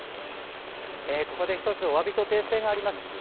ここで１つおわびと訂正があります。